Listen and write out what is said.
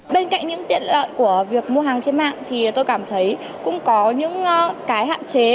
bên cạnh những tiện lợi của việc mua hàng trên mạng thì tôi cảm thấy cũng có những cái hạn chế